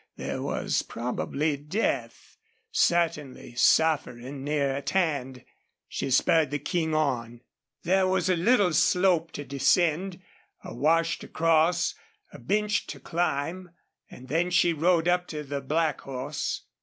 There was probably death, certainly suffering, near at hand. She spurred the King on. There was a little slope to descend, a wash to cross, a bench to climb and then she rode up to the black horse.